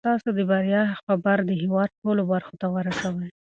تاسو د بریا خبر د هیواد ټولو برخو ته ورسوئ.